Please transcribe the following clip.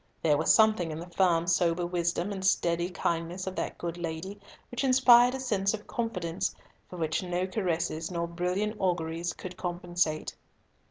There was something in the firm sober wisdom and steady kindness of that good lady which inspired a sense of confidence, for which no caresses nor brilliant auguries could compensate.